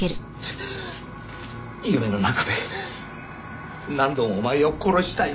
夢の中で何度もお前を殺したよ。